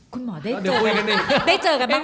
คุณหมอได้เห็นกันไหม